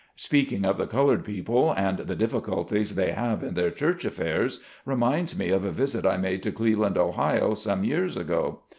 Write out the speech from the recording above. Speaking of the colored people and the difficulties they have in their church affairs, reminds me of a visit I made to Cleveland, Ohio, some years ago.